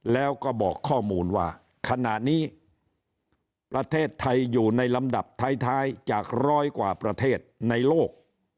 แล้วก็บอกข้อมูลว่าขณะนี้ประเทศไทยอยู่ในลำดับท้ายจากร้อยกว่าประเทศในโลก